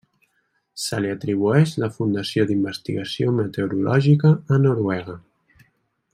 Se li atribueix la fundació d'investigació meteorològica a Noruega.